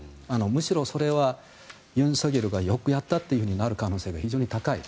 むしろそれは尹錫悦がよくやったとなる可能性が非常に高い。